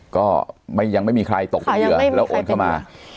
ก็ยังไม่มีใครตกเป็นเหยื่อแล้วโอนเข้ามา